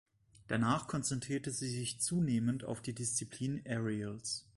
Danach konzentrierte sie sich zunehmend auf die Disziplin Aerials.